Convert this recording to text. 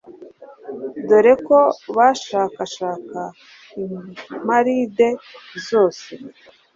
dore ko bashakashakaga imparide zose.